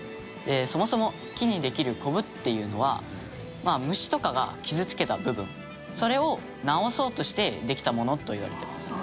そもそも木にできるコブっていうのは虫とかが傷つけた部分それを治そうとしてできたものといわれてます。